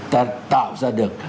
ta tạo ra được